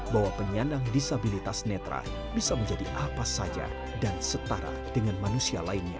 bahwa penyandang disabilitas netra bisa menjadi apa saja dan setara dengan manusia lainnya